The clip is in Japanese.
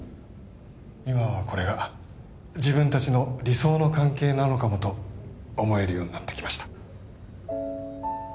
今はこれが自分達の理想の関係なのかもと思えるようになってきました